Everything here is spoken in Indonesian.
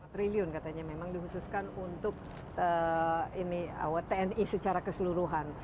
satu ratus tiga puluh empat triliun katanya memang dikhususkan untuk tni secara keseluruhan